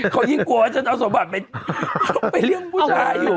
เขายิ่งกลัวว่าฉันเอาสมบัติไปเลี้ยงผู้ชายอยู่